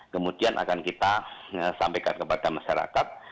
kemudian akan kita sampaikan kepada masyarakat